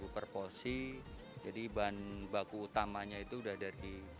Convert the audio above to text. lima belas ribu per porsi jadi bahan baku utamanya itu udah dari